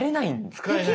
使えない。